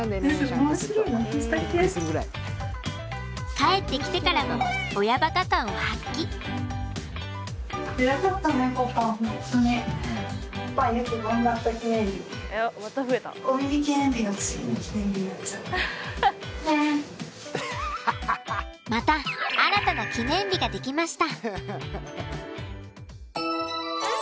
帰ってきてからもまた新たな記念日が出来ました。